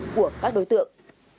của các đối tượng